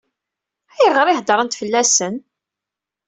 Ayɣer i heddṛent fell-asen?